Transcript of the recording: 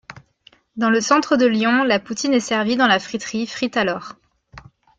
Dans le centre de Lyon, la poutine est servie dans la friterie Frite Alors!